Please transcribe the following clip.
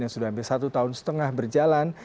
yang sudah hampir satu tahun setengah berjalan